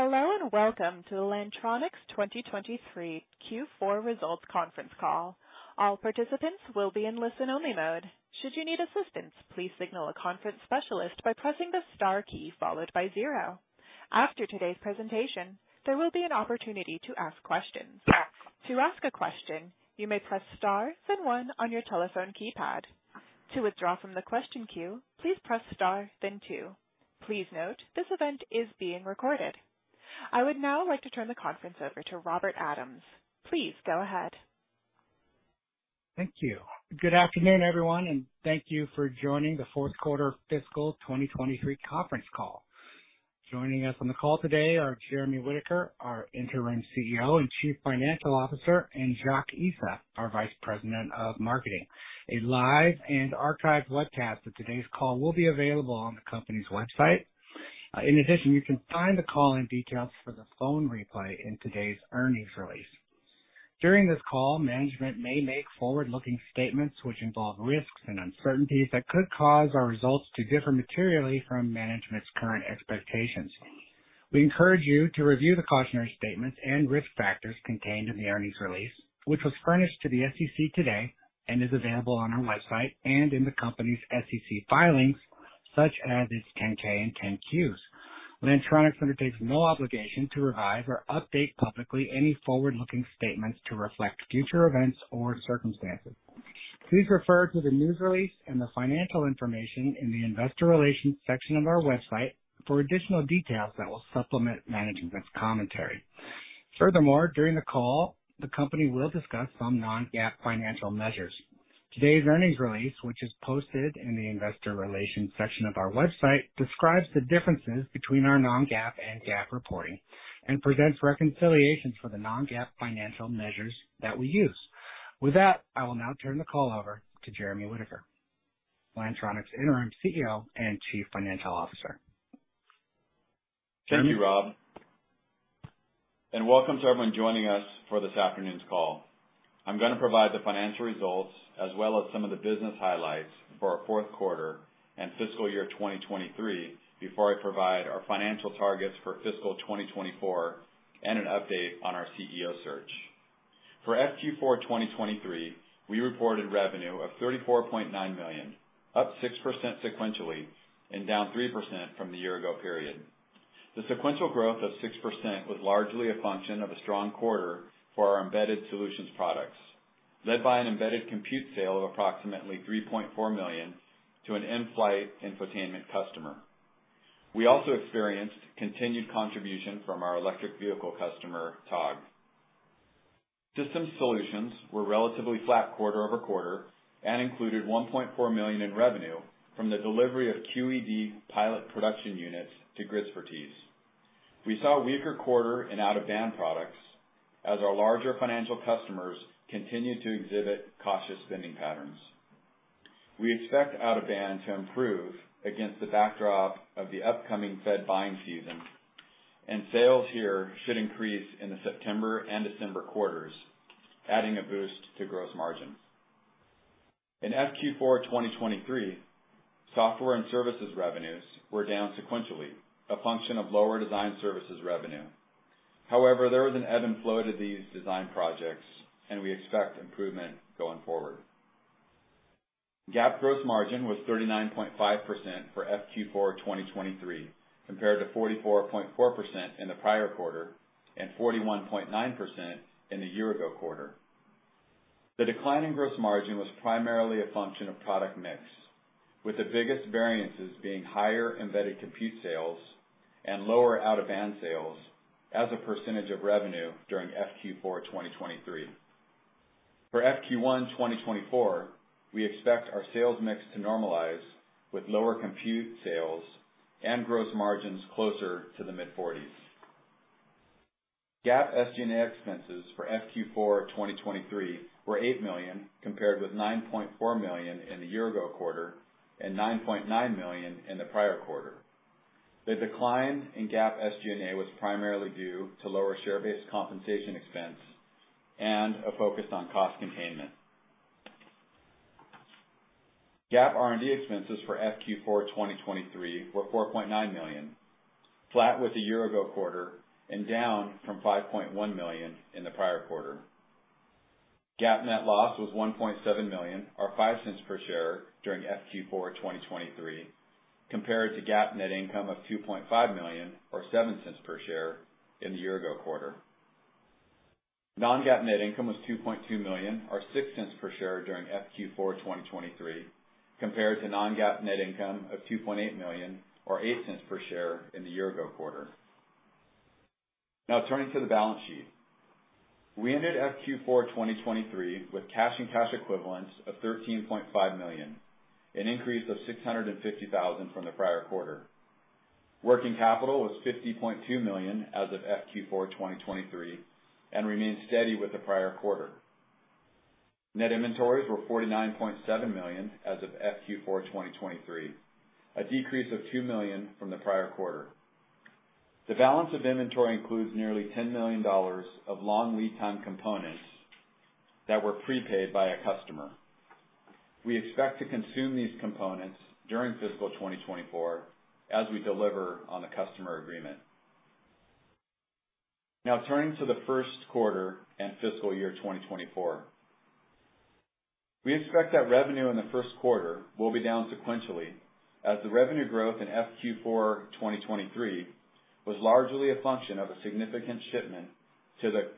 Hello, and welcome to the Lantronix 2023 Q4 results conference call. All participants will be in listen-only mode. Should you need assistance, please signal a conference specialist by pressing the star key followed by zero. After today's presentation, there will be an opportunity to ask questions. To ask a question, you may press star, then one on your telephone keypad. To withdraw from the question queue, please press star then two. Please note, this event is being recorded. I would now like to turn the conference over to Robert Adams. Please go ahead. Thank you. Good afternoon, everyone, and thank you for joining the fourth quarter fiscal 2023 conference call. Joining us on the call today are Jeremy Whitaker, our Interim CEO and Chief Financial Officer, and Jacques Issa, our Vice President of Marketing. A live and archived webcast of today's call will be available on the company's website. In addition, you can find the call and details for the phone replay in today's earnings release. During this call, management may make forward-looking statements which involve risks and uncertainties that could cause our results to differ materially from management's current expectations. We encourage you to review the cautionary statements and risk factors contained in the earnings release, which was furnished to the SEC today and is available on our website and in the company's SEC filings, such as its 10-K and 10-Qs. Lantronix undertakes no obligation to revise or update publicly any forward-looking statements to reflect future events or circumstances. Please refer to the news release and the financial information in the investor relations section of our website for additional details that will supplement management's commentary. Furthermore, during the call, the company will discuss some non-GAAP financial measures. Today's earnings release, which is posted in the investor relations section of our website, describes the differences between our non-GAAP and GAAP reporting and presents reconciliations for the non-GAAP financial measures that we use. With that, I will now turn the call over to Jeremy Whitaker, Lantronix's Interim CEO and Chief Financial Officer. Jeremy? Thank you, Rob, and welcome to everyone joining us for this afternoon's call. I'm gonna provide the financial results as well as some of the business highlights for our fourth quarter and fiscal year 2023 before I provide our financial targets for fiscal 2024 and an update on our CEO search. For FQ4 2023, we reported revenue of $34.9 million, up 6% sequentially and down 3% from the year ago period. The sequential growth of 6% was largely a function of a strong quarter for our embedded solutions products, led by an embedded compute sale of approximately $3.4 million to an in-flight infotainment customer. We also experienced continued contribution from our electric vehicle customer, Togg. Systems solutions were relatively flat quarter-over-quarter and included $1.4 million in revenue from the delivery of QEd pilot production units to Gridspertise. We saw a weaker quarter in out-of-band products as our larger financial customers continued to exhibit cautious spending patterns. We expect out-of-band to improve against the backdrop of the upcoming Fed buying season, and sales here should increase in the September and December quarters, adding a boost to gross margins. In FQ4 2023, software and services revenues were down sequentially, a function of lower design services revenue. However, there was an ebb and flow to these design projects, and we expect improvement going forward. GAAP gross margin was 39.5% for FQ4 2023, compared to 44.4% in the prior quarter and 41.9% in the year-ago quarter. The decline in gross margin was primarily a function of product mix, with the biggest variances being higher embedded compute sales and lower out-of-band sales as a percentage of revenue during FQ4 2023. For FQ1 2024, we expect our sales mix to normalize with lower compute sales and gross margins closer to the mid-40s%. GAAP SG&A expenses for FQ4 2023 were $8 million, compared with $9.4 million in the year ago quarter and $9.9 million in the prior quarter. The decline in GAAP SG&A was primarily due to lower share-based compensation expense and a focus on cost containment. GAAP R&D expenses for FQ4 2023 were $4.9 million, flat with the year ago quarter and down from $5.1 million in the prior quarter. GAAP net loss was $1.7 million, or $0.05 per share during FQ4 2023, compared to GAAP net income of $2.5 million, or $0.07 per share in the year ago quarter. Non-GAAP net income was $2.2 million, or $0.06 per share during FQ4 2023, compared to non-GAAP net income of $2.8 million, or $0.08 per share in the year ago quarter. Now, turning to the balance sheet. We ended FQ4 2023 with cash and cash equivalents of $13.5 million, an increase of $650,000 from the prior quarter. Working capital was $50.2 million as of FQ4 2023, and remains steady with the prior quarter. Net inventories were $49.7 million as of FQ4 2023, a decrease of $2 million from the prior quarter. The balance of inventory includes nearly $10 million of long lead time components that were prepaid by a customer.... We expect to consume these components during fiscal 2024 as we deliver on the customer agreement. Now, turning to the first quarter and fiscal year 2024. We expect that revenue in the first quarter will be down sequentially, as the revenue growth in FQ4 2023 was largely a function of a significant shipment to the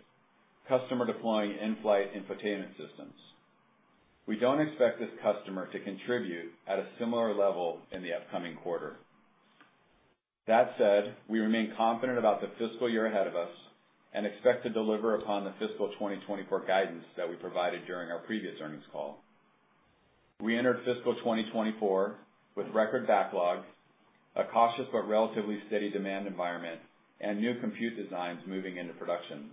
customer deploying in-flight infotainment systems. We don't expect this customer to contribute at a similar level in the upcoming quarter. That said, we remain confident about the fiscal year ahead of us and expect to deliver upon the fiscal 2024 guidance that we provided during our previous earnings call. We entered fiscal 2024 with record backlogs, a cautious but relatively steady demand environment, and new compute designs moving into production.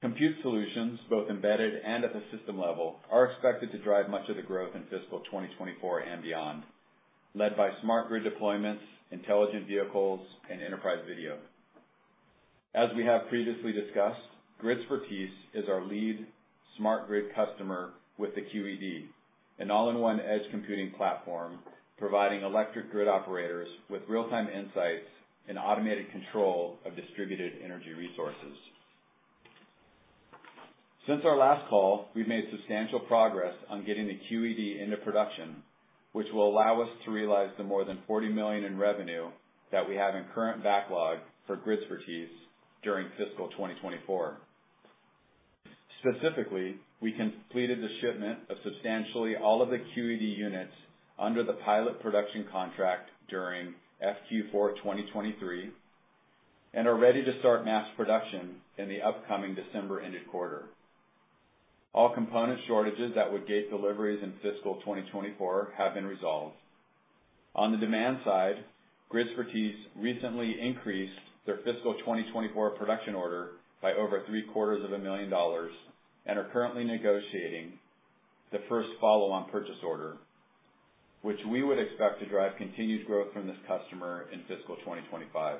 Compute solutions, both embedded and at the system level, are expected to drive much of the growth in fiscal 2024 and beyond, led by smart grid deployments, intelligent vehicles, and enterprise video. As we have previously discussed, Gridspertise is our lead smart grid customer with the QEd, an all-in-one edge computing platform, providing electric grid operators with real-time insights and automated control of distributed energy resources. Since our last call, we've made substantial progress on getting the QEd into production, which will allow us to realize the more than $40 million in revenue that we have in current backlog for Gridspertise during fiscal 2024. Specifically, we completed the shipment of substantially all of the QEd units under the pilot production contract during FQ4 2023, and are ready to start mass production in the upcoming December-ended quarter. All component shortages that would gate deliveries in fiscal 2024 have been resolved. On the demand side, Gridspertise recently increased their fiscal 2024 production order by over $750,000 and are currently negotiating the first follow-on purchase order, which we would expect to drive continued growth from this customer in fiscal 2025.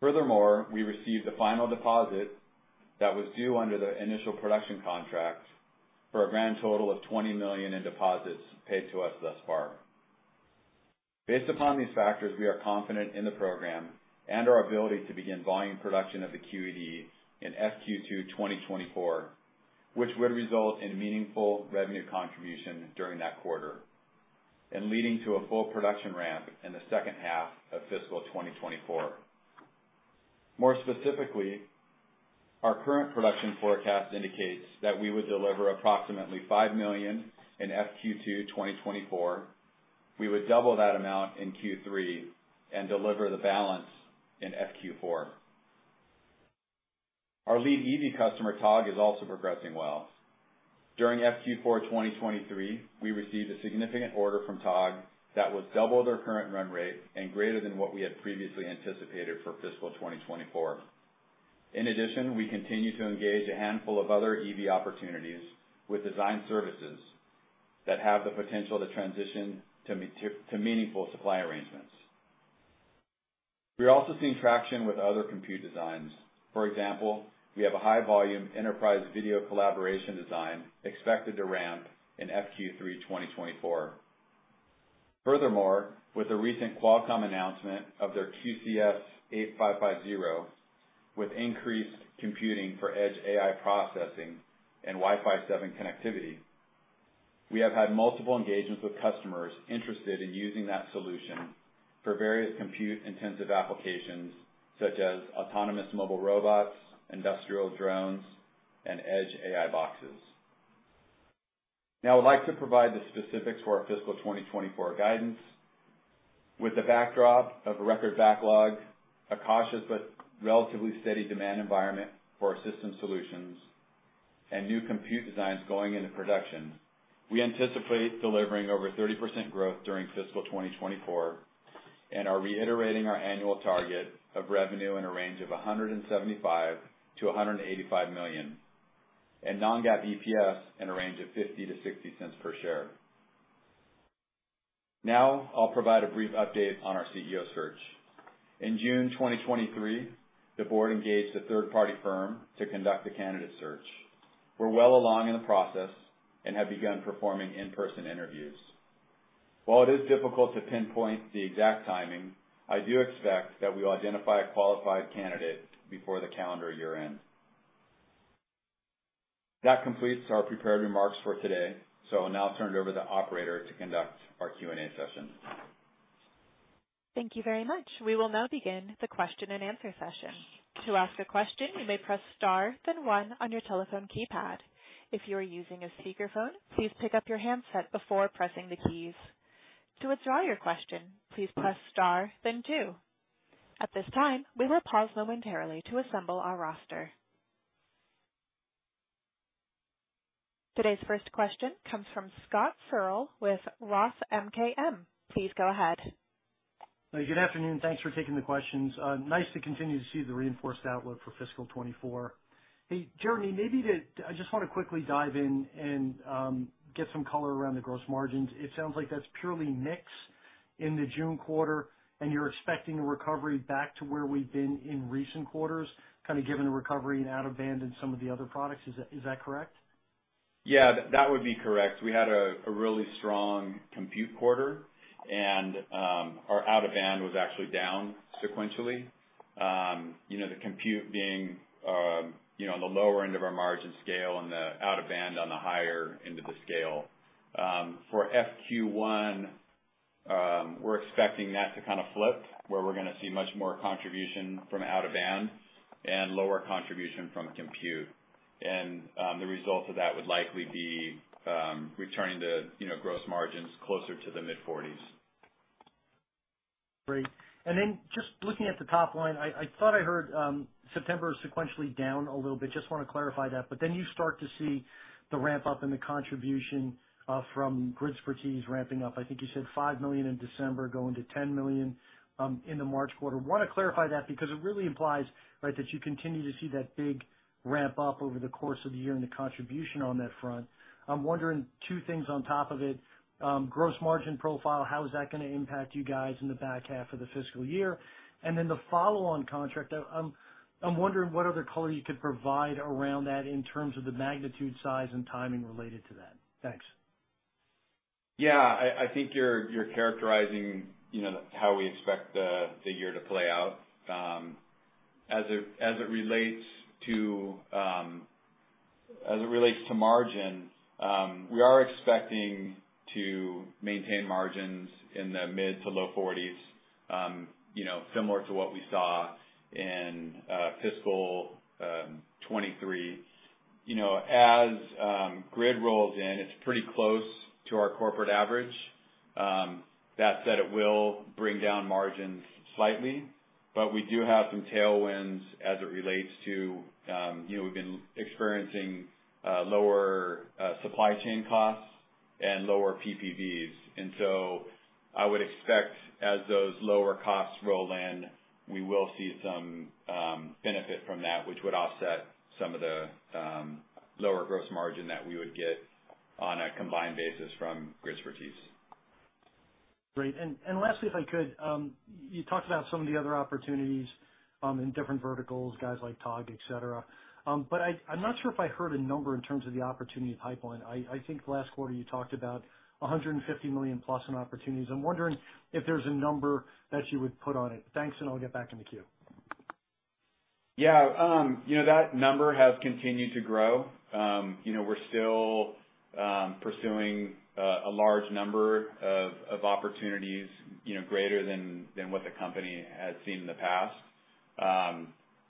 Furthermore, we received the final deposit that was due under the initial production contract for a grand total of $20 million in deposits paid to us thus far. Based upon these factors, we are confident in the program and our ability to begin volume production of the QEd in FQ2 2024, which would result in meaningful revenue contribution during that quarter, and leading to a full production ramp in the second half of fiscal 2024. More specifically, our current production forecast indicates that we would deliver approximately $5 million in FQ2 2024. We would double that amount in Q3 and deliver the balance in FQ4. Our lead EV customer, Togg, is also progressing well. During FQ4 2023, we received a significant order from Togg that would double their current run rate and greater than what we had previously anticipated for fiscal 2024. In addition, we continue to engage a handful of other EV opportunities with design services that have the potential to transition to meaningful supply arrangements. We're also seeing traction with other compute designs. For example, we have a high-volume enterprise video collaboration design expected to ramp in FQ3 2024. Furthermore, with the recent Qualcomm announcement of their QCS8550, with increased computing for Edge AI processing and Wi-Fi 7 connectivity, we have had multiple engagements with customers interested in using that solution for various compute-intensive applications, such as autonomous mobile robots, industrial drones, and Edge AI boxes. Now, I'd like to provide the specifics for our fiscal 2024 guidance. With the backdrop of a record backlog, a cautious but relatively steady demand environment for our system solutions, and new compute designs going into production, we anticipate delivering over 30% growth during fiscal 2024 and are reiterating our annual target of revenue in a range of $175 million-$185 million, and non-GAAP EPS in a range of $0.50-$0.60 per share. Now, I'll provide a brief update on our CEO search. In June 2023, the board engaged a third-party firm to conduct a candidate search. We're well along in the process and have begun performing in-person interviews. While it is difficult to pinpoint the exact timing, I do expect that we'll identify a qualified candidate before the calendar year end. That completes our prepared remarks for today. I'll now turn it over to the operator to conduct our Q&A session. Thank you very much. We will now begin the question-and-answer session. To ask a question, you may press star, then one on your telephone keypad. If you are using a speakerphone, please pick up your handset before pressing the keys. To withdraw your question, please press star, then two. At this time, we will pause momentarily to assemble our roster. Today's first question comes from Scott Searle with Roth MKM. Please go ahead. Good afternoon. Thanks for taking the questions. Nice to continue to see the reinforced outlook for fiscal 2024. Hey, Jeremy, maybe I just want to quickly dive in and get some color around the gross margins. It sounds like that's purely mix? in the June quarter, and you're expecting a recovery back to where we've been in recent quarters, kind of given the recovery in out-of-band and some of the other products. Is that, is that correct? Yeah, that would be correct. We had a really strong compute quarter, and our out-of-band was actually down sequentially. You know, the compute being on the lower end of our margin scale and the out-of-band on the higher end of the scale. For FQ one, we're expecting that to kind of flip, where we're gonna see much more contribution from out-of-band and lower contribution from compute. And the result of that would likely be returning to, you know, gross margins closer to the mid-forties. Great. And then just looking at the top line, I thought I heard September sequentially down a little bit. Just wanna clarify that, but then you start to see the ramp-up and the contribution from Gridspertise ramping up. I think you said $5 million in December, going to $10 million in the March quarter. Wanna clarify that because it really implies, right, that you continue to see that big ramp-up over the course of the year and the contribution on that front. I'm wondering two things on top of it. Gross margin profile, how is that gonna impact you guys in the back half of the fiscal year? And then the follow-on contract, I'm wondering what other color you could provide around that in terms of the magnitude, size, and timing related to that. Thanks. Yeah, I think you're characterizing, you know, how we expect the year to play out. As it relates to margin, we are expecting to maintain margins in the mid- to low-40s. You know, similar to what we saw in fiscal 2023. You know, as Grid rolls in, it's pretty close to our corporate average. That said, it will bring down margins slightly, but we do have some tailwinds as it relates to, you know, we've been experiencing lower supply chain costs and lower PPVs. And so I would expect, as those lower costs roll in, we will see some benefit from that, which would offset some of the lower gross margin that we would get on a combined basis from Gridspertise. Great. And lastly, if I could, you talked about some of the other opportunities in different verticals, guys like Togg, et cetera. But I'm not sure if I heard a number in terms of the opportunity pipeline. I think last quarter you talked about $150 million plus in opportunities. I'm wondering if there's a number that you would put on it. Thanks, and I'll get back in the queue. Yeah, you know, that number has continued to grow. You know, we're still pursuing a large number of opportunities, you know, greater than what the company has seen in the past.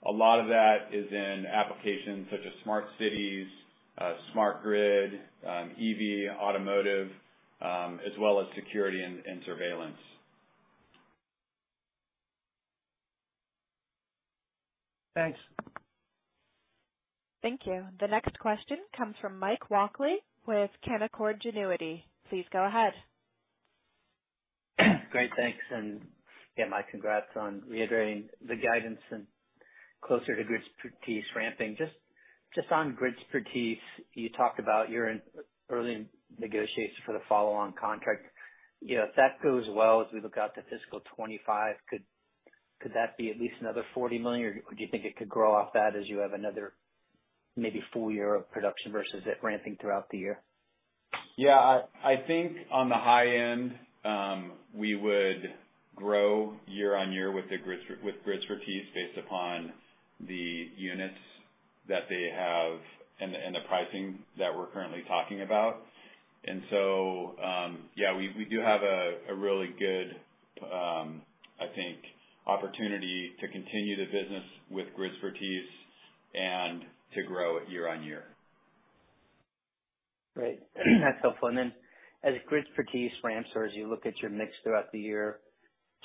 A lot of that is in applications such as smart cities, smart grid, EV, automotive, as well as security and surveillance. Thanks. Thank you. The next question comes from Mike Walkley with Canaccord Genuity. Please go ahead. Great, thanks. And, yeah, my congrats on reiterating the guidance and closer to Gridspertise ramping. Just, just on Gridspertise, you talked about you're in early negotiations for the follow-on contract. You know, if that goes well, as we look out to fiscal 2025, could, could that be at least another $40 million, or do you think it could grow off that as you have another maybe full year of production versus it ramping throughout the year? Yeah, I think on the high end, we would grow year on year with the Gridspertise, based upon the units that they have and the pricing that we're currently talking about. And so, yeah, we do have a really good, I think, opportunity to continue the business with Gridspertise and to grow it year on year. Great. That's helpful. As Gridspertise ramps or as you look at your mix throughout the year,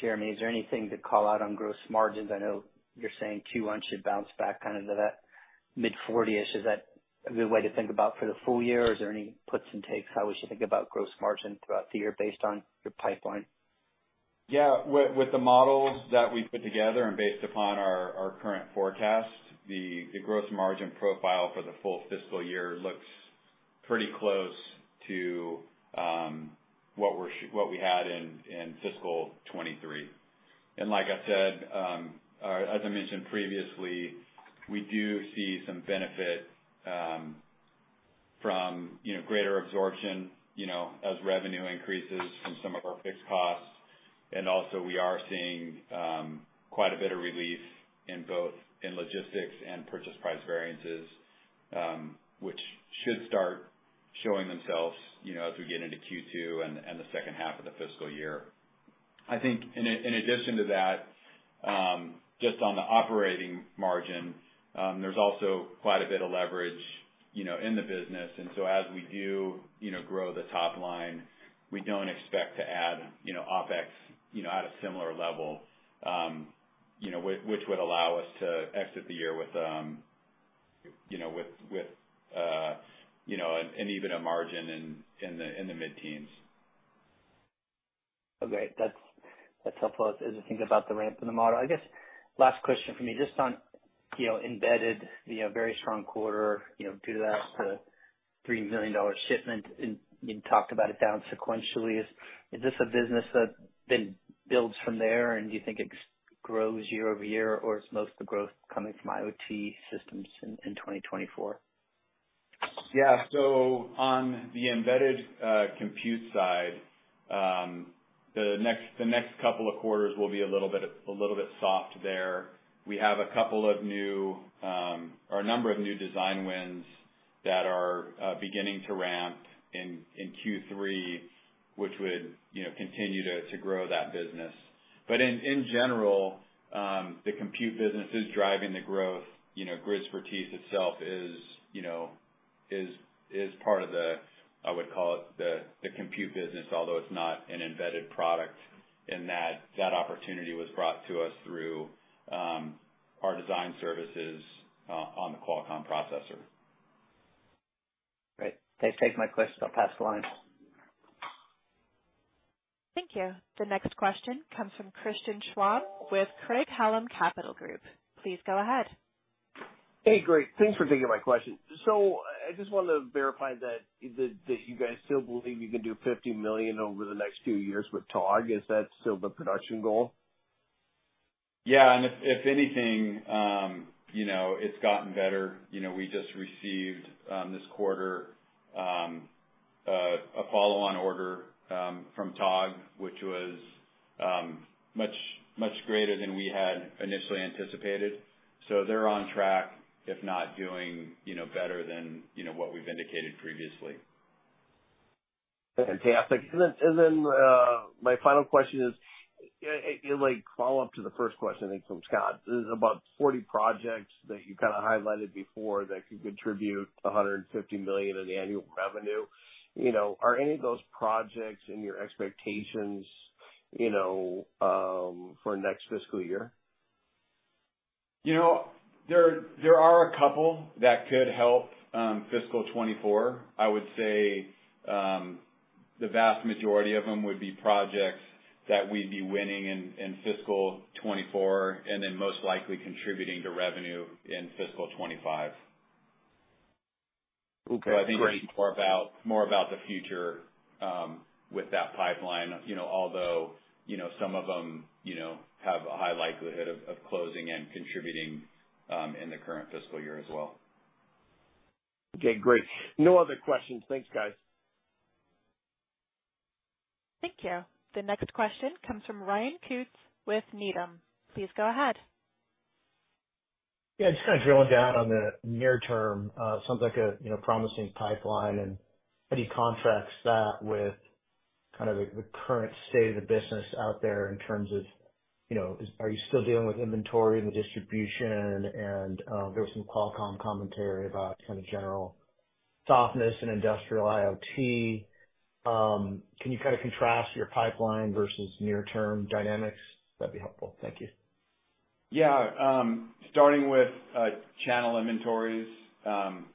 Jeremy, is there anything to call out on gross margins? I know you're saying Q2 should bounce back kind of to that mid-40% ish. Is that a good way to think about for the full year, or is there any puts and takes how we should think about gross margin throughout the year based on your pipeline? Yeah. With the models that we've put together and based upon our current forecast, the gross margin profile for the full fiscal year looks pretty close to what we had in fiscal 2023. And like I said, or as I mentioned previously, we do see some benefit from, you know, greater absorption, you know, as revenue increases from some of our fixed costs. And also, we are seeing quite a bit of relief in both in logistics and purchase price variances, which should start showing themselves, you know, as we get into Q2 and the second half of the fiscal year. I think in addition to that, just on the operating margin, there's also quite a bit of leverage, you know, in the business. And so as we do, you know, grow the top line, we don't expect to add, you know, OpEx, you know, at a similar level, which would allow us to exit the year with, you know, an even a margin in the mid-teens. Okay, that's helpful as we think about the ramp and the model. I guess last question for me, just on, you know, embedded, you know, very strong quarter, you know, due to that, the $3 million shipment, and you talked about it down sequentially. Is this a business that then builds from there, and do you think it grows year-over-year, or is most of the growth coming from IoT systems in 2024? Yeah. So on the embedded compute side, the next, the next couple of quarters will be a little bit, a little bit soft there. We have a couple of new, or a number of new design wins that are beginning to ramp in Q3, which would, you know, continue to, to grow that business. But in general, the compute business is driving the growth. You know, Gridspertise itself is, you know, is, is part of the, I would call it the, the compute business, although it's not an embedded product, and that, that opportunity was brought to us through our design services on the Qualcomm processor. Great. Thanks. That takes my questions. I'll pass the line. Thank you. The next question comes from Christian Schwab with Craig-Hallum Capital Group. Please go ahead. Hey, great. Thanks for taking my question. So I just wanted to verify that you guys still believe you can do $50 million over the next few years with Togg. Is that still the production goal? Yeah, and if, if anything, you know, it's gotten better. You know, we just received this quarter a follow-on order from Togg, which was much, much greater than we had initially anticipated. So they're on track, if not doing, you know, better than, you know, what we've indicated previously. Fantastic. And then, and then, my final question is, it like follow-up to the first question, I think, from Scott. There's about 40 projects that you kind of highlighted before that could contribute $150 million in annual revenue. You know, are any of those projects in your expectations, you know, for next fiscal year? You know, there are a couple that could help fiscal 2024. I would say the vast majority of them would be projects that we'd be winning in fiscal 2024, and then most likely contributing to revenue in fiscal 2025. Okay, great. More about the future, with that pipeline, you know, although, you know, some of them, you know, have a high likelihood of closing and contributing in the current fiscal year as well. Okay, great. No other questions. Thanks, guys. Thank you. The next question comes from Ryan Koontz with Needham. Please go ahead. Yeah, just kind of drilling down on the near term, sounds like a, you know, promising pipeline and any contracts that, with kind of the, the current state of the business out there in terms of, you know, are you still dealing with inventory and distribution? And, there was some Qualcomm commentary about kind of general softness in industrial IoT. Can you kind of contrast your pipeline versus near-term dynamics? That'd be helpful. Thank you. Yeah. Starting with channel inventories,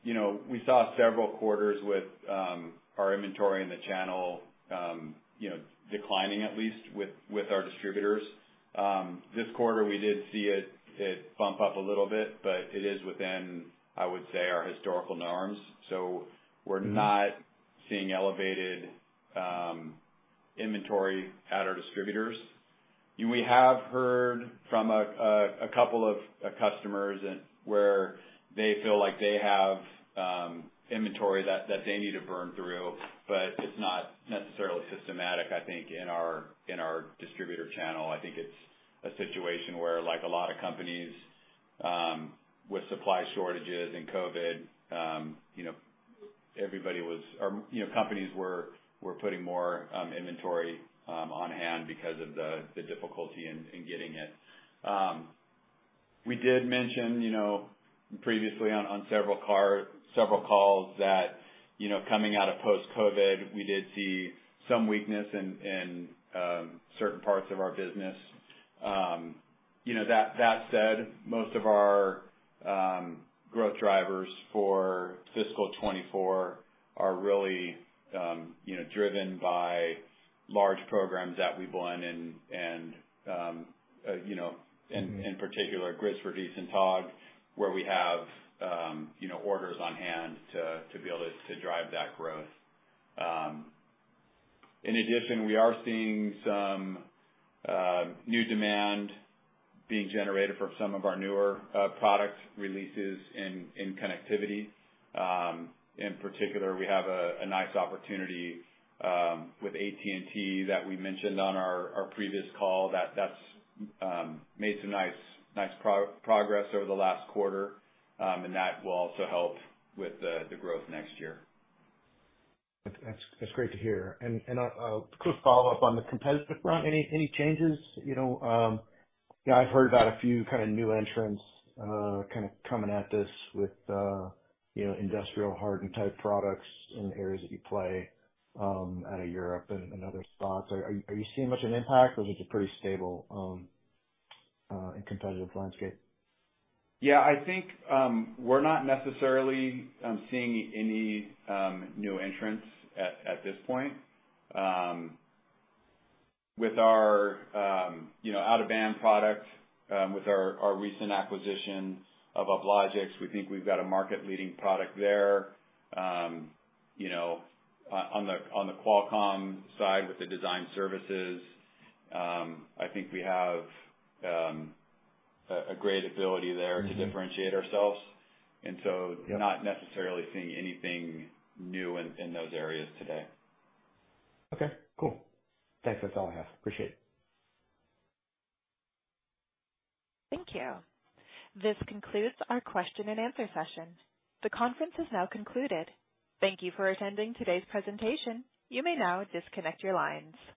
you know, we saw several quarters with our inventory in the channel, you know, declining at least with our distributors. This quarter, we did see it bump up a little bit, but it is within, I would say, our historical norms. So we're not seeing elevated inventory at our distributors. We have heard from a couple of customers where they feel like they have inventory that they need to burn through, but it's not necessarily systematic, I think, in our distributor channel. I think it's a situation where, like a lot of companies, with supply shortages and COVID, you know, everybody was or, you know, companies were putting more inventory on hand because of the difficulty in getting it. We did mention, you know, previously on several calls that, you know, coming out of post-COVID, we did see some weakness in certain parts of our business. You know, that said, most of our growth drivers for fiscal 2024 are really, you know, driven by large programs that we've won and, you know, in particular, Gridspertise and Togg, where we have, you know, orders on hand to be able to drive that growth. In addition, we are seeing some new demand being generated from some of our newer product releases in connectivity. In particular, we have a nice opportunity with AT&T that we mentioned on our previous call, that's made some nice progress over the last quarter. That will also help with the growth next year. That's, that's great to hear. And, and, a quick follow-up on the competitive front. Any, any changes? You know, you know, I've heard about a few kind of new entrants, kind of coming at this with, you know, industrial hardened type products in the areas that you play, out of Europe and, and other spots. Are, are you seeing much of an impact or is it pretty stable, in competitive landscape? Yeah, I think we're not necessarily seeing any new entrants at this point. With our you know out-of-band product, with our recent acquisition of Uplogix, we think we've got a market-leading product there. You know, on the Qualcomm side, with the design services, I think we have a great ability there to differentiate ourselves, and so- Yeah. not necessarily seeing anything new in those areas today. Okay, cool. Thanks. That's all I have. Appreciate it. Thank you. This concludes our question and answer session. The conference is now concluded. Thank you for attending today's presentation. You may now disconnect your lines.